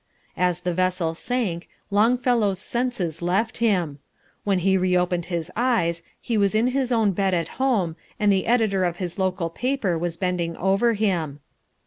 As the vessel sank, Longfellow's senses left him. When he reopened his eyes he was in his own bed at home, and the editor of his local paper was bending over him.